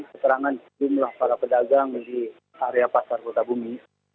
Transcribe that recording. keterangan sejumlah para pedagang di area pasar kota bumi